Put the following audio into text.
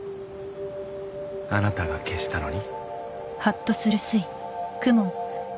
あなたが消したのに？